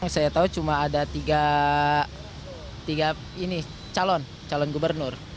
saya tahu cuma ada tiga calon gubernur